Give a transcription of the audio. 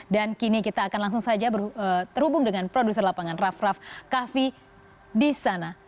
dan kini kita akan langsung saja terhubung dengan produser lapangan raff raff kahvi di sana